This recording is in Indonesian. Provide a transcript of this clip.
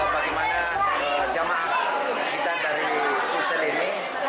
bagaimana jemaah kita dari susel ini